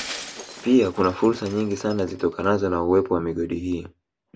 Pia kuna fursa nyingi sana zitokanazo na uwepo wa migodi hii